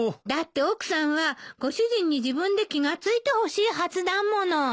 だって奥さんはご主人に自分で気が付いてほしいはずだもの。